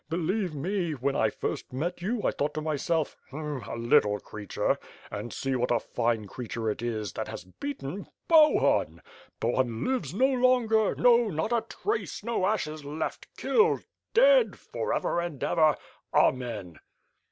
Believe me, when I first met you, I thought to myself, ^H'm, a little creature' — and see what a fine creature it is that has beaten Bohun. Bohun lives no longer, no, not a trace, no ashes left, killed dead, forever and ever, amen!"